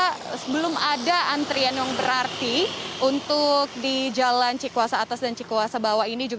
karena sebelum ada antrian yang berarti untuk di jalan cikuasa atas dan cikuasa bawah ini